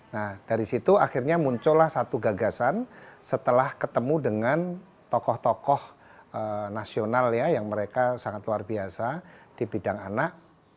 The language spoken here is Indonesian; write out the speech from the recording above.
nah dari situ akhirnya muncullah satu gagasan setelah ketemu dengan tokoh tokoh nasional ya yang mereka sangat luar biasa di bidang anak